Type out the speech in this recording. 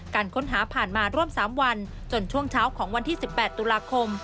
การค้นหาผ่านมาร่วม๓วันจนช่วงเช้าของวันที่๑๘ตุลาคม